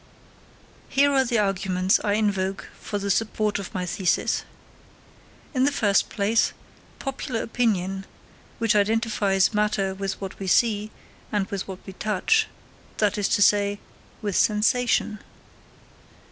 Here are the arguments I invoke for the support of my thesis: in the first place, popular opinion, which identifies matter with what we see, and with what we touch that is to say, with sensation.